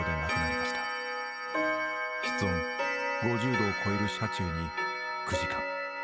室温５０度を超える車中に９時間。